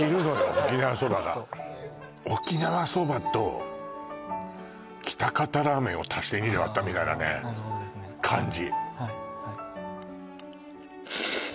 沖縄そばが沖縄そばと喜多方ラーメンを足して２で割ったみたいなね感じ